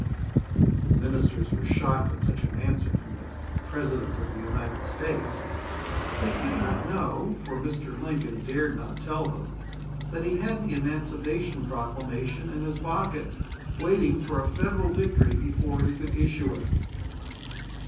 The ministers were shocked at such an answer from the President of the United States. They could not know, for Mr. Lincoln dared not tell them, that he had the Emancipation Proclamation in his pocket waiting for a Federal victory before he could issue it!